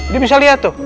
dia bisa lihat tuh